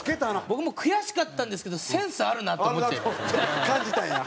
僕も悔しかったんですけどセンスあるなと思っちゃいましたね。